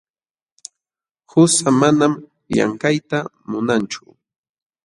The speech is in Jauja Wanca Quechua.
Qusaa manam llamkayta munanchu.